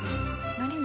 何？